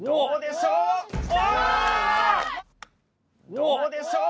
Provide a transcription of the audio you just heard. どうでしょう？